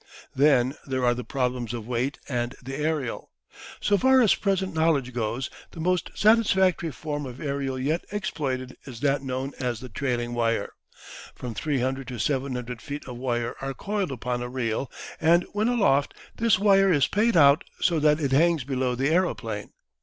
Then there are the problems of weight and the aerial. So far as present knowledge goes, the most satisfactory form of aerial yet exploited is that known as the trailing wire. From 300 to 700 feet of wire are coiled upon a reel, and when aloft this wire is paid out so that it hangs below the aeroplane.